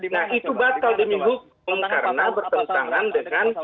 nah itu batal demi hukum karena bertentangan dengan